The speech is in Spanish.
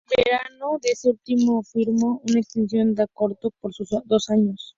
En verano de ese año firmó una extensión de su contrato por dos años.